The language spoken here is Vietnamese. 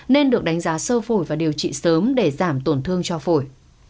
nên được đánh giá sơ phổi và điều trị sớm để giảm tổn thương cho phổi